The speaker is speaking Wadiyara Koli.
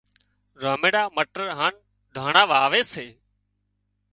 راميڙا مٽر هانَ داڻا واوي سي